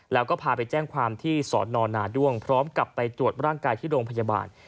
แล้วก็พาไปแจ้งความที่สอนอนาด้วงพร้อมกลับไปตรวจร่างกายที่โรงพยาบาล